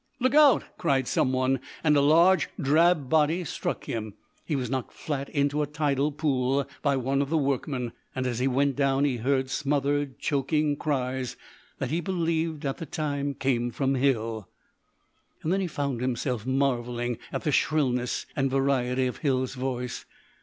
"Look out!" cried someone, and a large drab body struck him. He was knocked flat into a tidal pool by one of the workmen, and as he went down he heard smothered, choking cries, that he believed at the time came from Hill. Then he found himself marvelling at the shrillness and variety of Hill's voice.